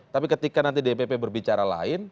tapi ketika nanti dpp berbicara lain